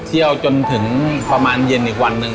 เที่ยวจนถึงประมาณเย็นอีกวันหนึ่ง